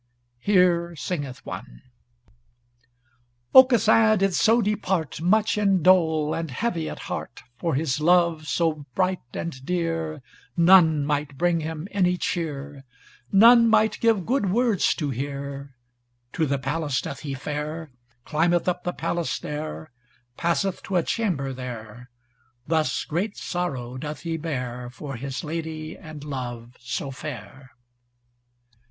Here singeth one: Aucassin did so depart Much in dole and heavy at heart For his love so bright and dear, None might bring him any cheer, None might give good words to hear, To the palace doth he fare Climbeth up the palace stair, Passeth to a chamber there, Thus great sorrow doth he bear, For his lady and love so fair.